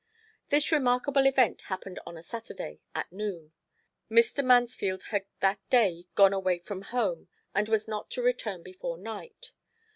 This remarkable event happened on a Saturday, at noon. Mr. Mansfield had that day gone away from home and was not to return before night.